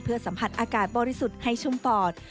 สัมผัสอากาศบริสุทธิ์ให้ชมปอด